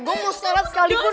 gue mau sholat sekalipun